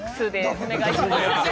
お願いします。